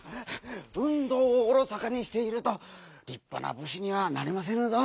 うんどうをおろそかにしているとりっぱなぶしにはなれませぬぞ！